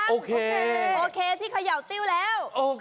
โอเคยังโอเคที่เขย่าเตี๊วแล้ว